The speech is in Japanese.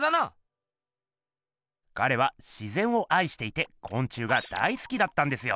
ガレは「自ぜん」をあいしていてこん虫が大すきだったんですよ。